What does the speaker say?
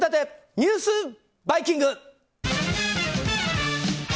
ニュースバイキング。